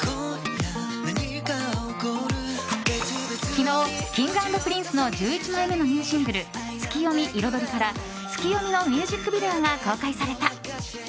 昨日Ｋｉｎｇ＆Ｐｒｉｎｃｅの１１枚目のニューシングル「ツキヨミ／彩り」から「ツキヨミ」のミュージックビデオが公開された。